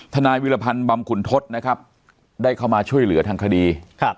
นายวิรพันธ์บำขุนทศนะครับได้เข้ามาช่วยเหลือทางคดี